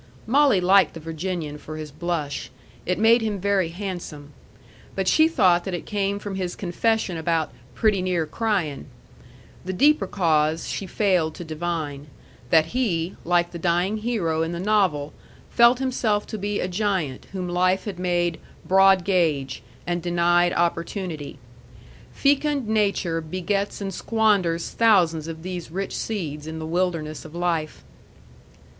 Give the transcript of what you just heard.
Molly liked the Virginian for his blush. It made him very handsome. But she thought that it came from his confession about "pretty near crying." The deeper cause she failed to divine, that he, like the dying hero in the novel, felt himself to be a giant whom life had made "broad gauge," and denied opportunity. Fecund nature begets and squanders thousands of these rich seeds in the wilderness of life.